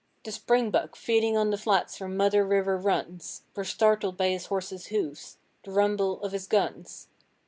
The springbuck, feeding on the flats where Modder River runs, Were startled by his horses' hoofs, the rumble of his guns.